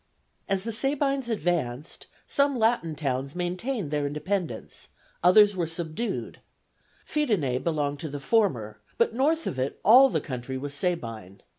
As the Sabines advanced, some Latin towns maintained their independence, others were subdued; Fidenæ belonged to the former, but north of it all the country was Sabine.